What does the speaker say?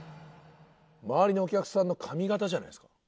周りのお客さんの髪形じゃないですか？